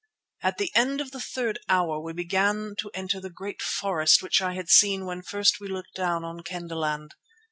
At the end of the third hour we began to enter the great forest which I had seen when first we looked down on Kendahland.